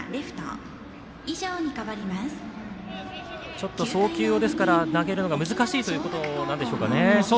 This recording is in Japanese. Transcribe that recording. ちょっと送球、投げるのが難しいということなんですかね。